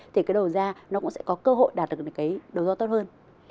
thì cái đầu ra nó cũng sẽ có cơ hội đạt được cái đầu ra tốt hơn